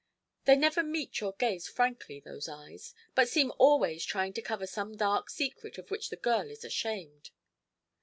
"They never meet your gaze frankly, those eyes, but seem always trying to cover some dark secret of which the girl is ashamed."